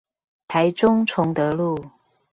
台中崇德路